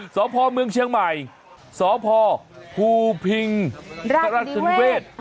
สพเมืองเชียงใหม่สพภูพิงราชนิเวศ